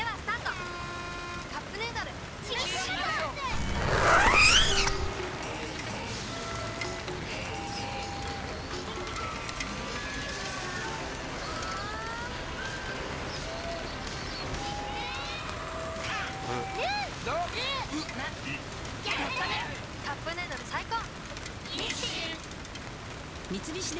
「カップヌードル」最高！